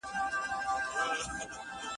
وې ولاړې مخامخ په دالانه کې